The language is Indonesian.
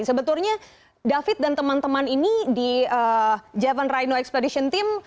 sebetulnya david dan teman teman ini di javan rhino expedition team